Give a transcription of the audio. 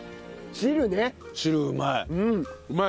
汁うまい！